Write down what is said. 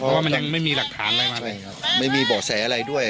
เพราะว่ามันยังไม่มีหลักฐานอะไรมาเลยครับไม่มีเบาะแสอะไรด้วย